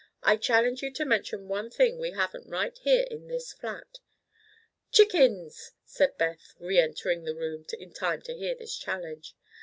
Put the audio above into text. "I challenge ye to mention one thing we haven't right here in this flat." "Chickens!" said Beth, re entering the room in time to hear this challenge.